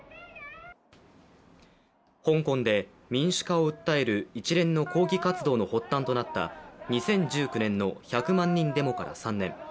香港で民主化を訴える一連の抗議活動の発端となった２０１９年の１００万人デモから３年。